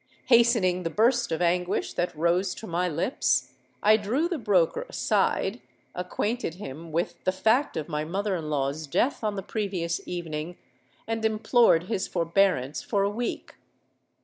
Hastening the burst of anguish that rose to my lips, I drew the broker aside, acquainted him with the fact of my mother in law's death on the previous evening, and implored his forbearance for a week.